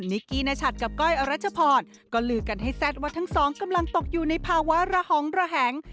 กี้นชัดกับก้อยอรัชพรก็ลือกันให้แซ่ดว่าทั้งสองกำลังตกอยู่ในภาวะระหองระแหง